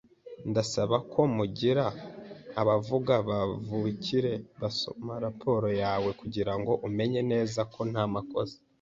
Ndasaba ko mugira abavuga kavukire basoma raporo yawe kugirango umenye neza ko nta makosa.